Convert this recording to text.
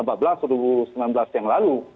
atau dua ribu sembilan belas yang lalu